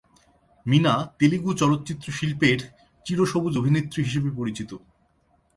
মীনা তেলুগু চলচ্চিত্র শিল্পের 'চিরসবুজ অভিনেত্রী' হিসেবে পরিচিত।